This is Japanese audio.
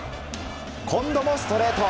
今度もストレート。